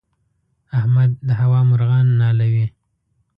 احمد د هوا مرغان نالوي.